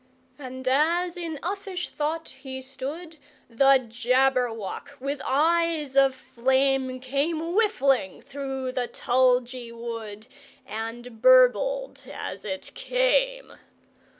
And as in uffish thought he stood, The Jabberwock, with eyes of flame, Came whiffling through the tulgey wood, And burbled as it came!